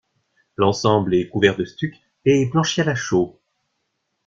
L'ensemble est couvert de stucs et blanchi à la chaux.